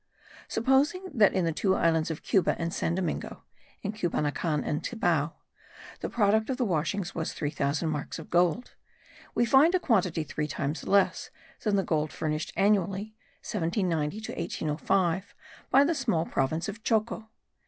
Supposing that in the two islands of Cuba and San Domingo (in Cubanacan and Cibao) the product of the washings was 3000 marks of gold, we find a quantity three times less than the gold furnished annually (1790 to 1805) by the small province of Choco.